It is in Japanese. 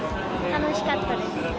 楽しかったです。